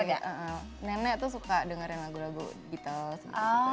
agak nenek tuh suka dengerin lagu lagu gitu